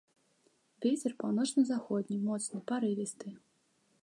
Вецер паўночна-заходні моцны парывісты.